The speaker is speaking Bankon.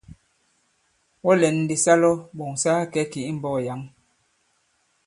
Wɔ lɛ̌n ndī sa lɔ ɓɔ̀ŋ sa kakɛ̌ kì i mbɔ̄k yǎŋ.